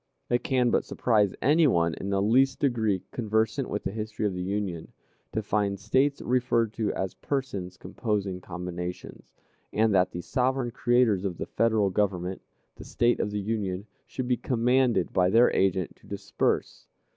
It can but surprise any one in the least degree conversant with the history of the Union, to find States referred to as "persons composing combinations," and that the sovereign creators of the Federal Government, the States of the Union, should be commanded by their agent to disperse.